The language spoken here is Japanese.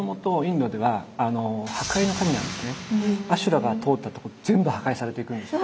阿修羅が通ったとこ全部破壊されていくんです。